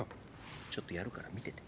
ちょっとやるから見てて。